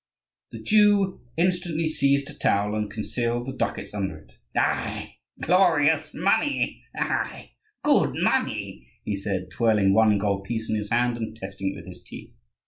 The Jew instantly seized a towel and concealed the ducats under it. "Ai, glorious money! ai, good money!" he said, twirling one gold piece in his hand and testing it with his teeth.